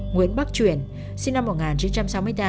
nguyễn bắc chuyển sinh năm một nghìn chín trăm sáu mươi ba